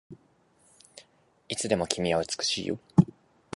いつまでも君は美しいよ